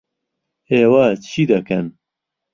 ئێوە چی دەکەن؟